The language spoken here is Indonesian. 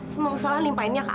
semua soalan limpahinnya kakak